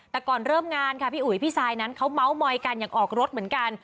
แต่ก่อนเริ่มงานค่ะพี่อุ๋ยพี่ซายนั้นเขาเมาส์มอยกันอย่างออกรถเหมือนกัน